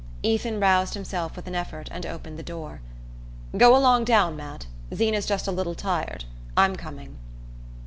Ethan roused himself with an effort and opened the door. "Go along down, Matt. Zeena's just a little tired. I'm coming."